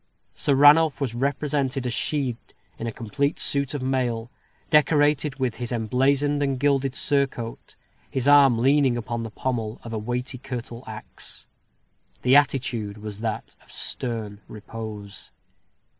Sir Ranulph was represented as sheathed in a complete suit of mail, decorated with his emblazoned and gilded surcoat, his arm leaning upon the pommel of a weighty curtal axe. The attitude was that of stern repose.